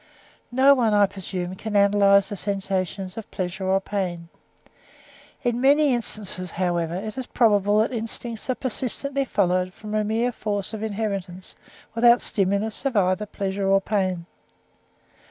No one, I presume, can analyse the sensations of pleasure or pain. In many instances, however, it is probable that instincts are persistently followed from the mere force of inheritance, without the stimulus of either pleasure or pain.